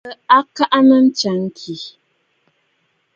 Aləə kaʼanə ntsya ŋkì.